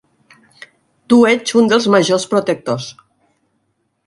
Tu ets un dels majors protectors.